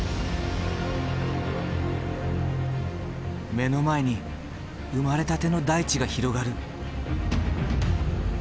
目の前に生まれたての大地が広がる。